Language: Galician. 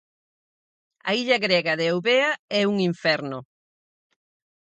A illa grega de Eubea é un inferno.